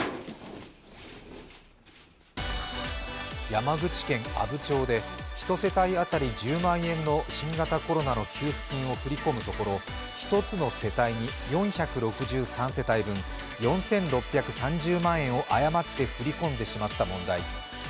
山口県阿武町で１世帯あたり１０万円の新型コロナの給付金を振り込むところ１つの世帯に４６３世帯分、４６３０万円を誤って振り込んでしまった問題。